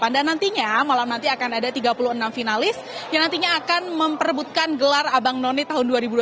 dan nantinya malam nanti akan ada tiga puluh enam finalis yang nantinya akan memperebutkan gelar abang none tahun dua ribu dua puluh tiga